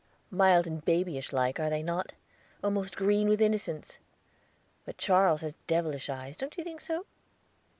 "Mild and babyish like, are they not? almost green with innocence. But Charles has devilish eyes, don't you think so?"